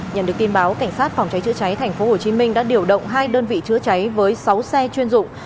nhận được tin báo cảnh sát phòng cháy chữa cháy tp hcm đã điều động hai đơn vị chữa cháy với sáu xe chuyên dụng